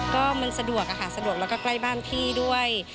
ก็มันสะดวกอะค่ะสะดวกแล้วก็ใกล้บ้านพี่ด้วย